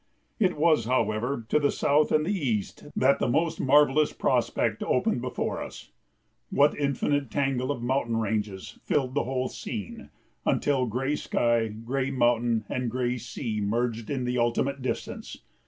[Illustration: Denali's Wife from the summit of Denali] It was, however, to the south and the east that the most marvellous prospect opened before us. What infinite tangle of mountain ranges filled the whole scene, until gray sky, gray mountain, and gray sea merged in the ultimate distance!